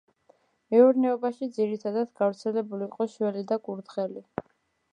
მეურნეობაში ძირითადად გავრცელებული იყო შველი და კურდღელი.